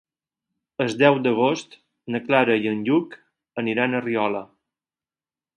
El deu d'agost na Clara i en Lluc aniran a Riola.